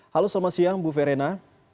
halo selamat siang bu verena